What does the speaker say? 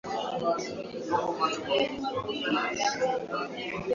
Mnyama kuvimba tezi ni dalili nyingine ya ugonjwa wa ndigana baridi